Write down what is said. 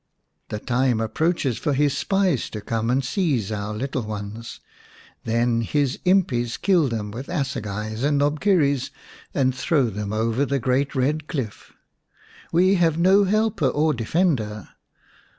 The time approaches for his spies to come and seize our little ones. Then his impis kill them with assegais and knobkerries, and throw them over the great red cliff. We have no helper or defender.